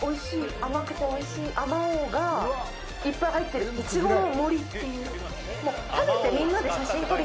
甘くておいしいあまおうがいっぱい入ってるいちごの森っていう。